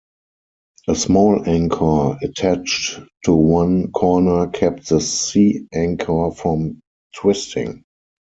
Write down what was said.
A small anchor attached to one corner kept the sea anchor from twisting.